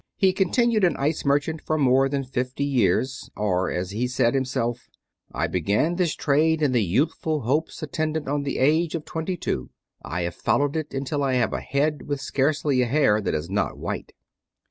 He continued an ice merchant for more than fifty years; or, as he said himself: "I began this trade in the youthful hopes attendant on the age of twenty two. I have followed it until I have a head with scarcely a hair that is not white."